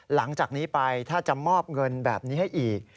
หลังจากนี้ไปถ้าจะมอบเงินแบบนี้ให้อีก